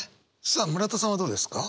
さあ村田さんはどうですか？